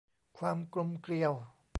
ความกลมเกลียว